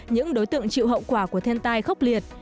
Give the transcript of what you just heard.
những đối tượng chịu hậu quả của thiên tai khốc liệt